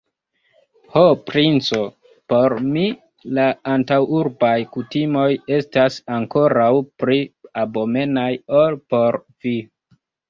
Ho, princo, por mi la antaŭurbaj kutimoj estas ankoraŭ pli abomenaj, ol por vi!